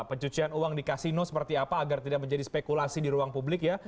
pencucian uang di kasino seperti apa agar tidak menjadi spekulasi di ruang publik ya